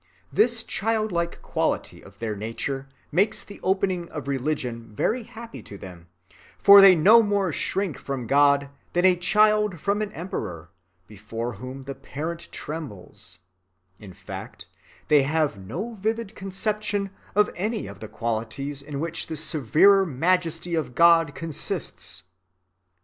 This childlike quality of their nature makes the opening of religion very happy to them: for they no more shrink from God, than a child from an emperor, before whom the parent trembles: in fact, they have no vivid conception of any of the qualities in which the severer Majesty of God consists.